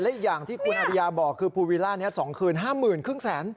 แล้วอีกอย่างที่คุณฮาวิยาบอกคือภูวิลล่านี้๒คืน๕๐๕๐๐บาท